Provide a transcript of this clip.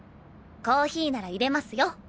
コーヒーならいれますよ。